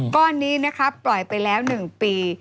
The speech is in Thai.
ก้อนนี้นะครับปล่อยไปแล้วหนึ่งปี